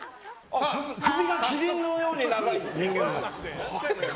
首がキリンのように長い人間も。